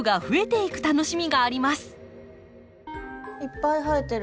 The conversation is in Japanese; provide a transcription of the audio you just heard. いっぱい生えてる。